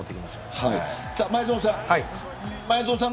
前園さん。